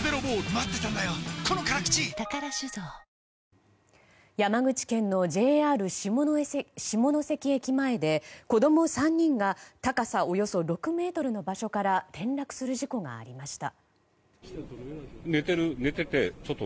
本麒麟山口県のＪＲ下関駅前で子供３人が高さおよそ６ｍの場所から転落する事故がありました。